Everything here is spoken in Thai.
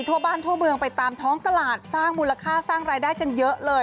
ทั่วบ้านทั่วเมืองไปตามท้องตลาดสร้างมูลค่าสร้างรายได้กันเยอะเลย